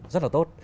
rất là tốt